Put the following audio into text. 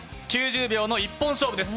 ９０秒の一本勝負です。